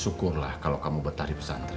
syukurlah kalo kamu betah di pesantren